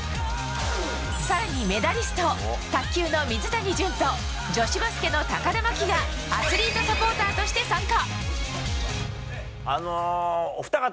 更にメダリスト、卓球の水谷隼と女子バスケの高田真希がアスリートサポーターとして参加。